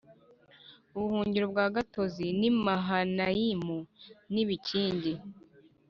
ubuhungiro bwa gatozi n i Mahanayimu n ibikingi